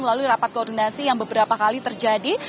melalui rapat koordinasi yang beberapa kali terjadi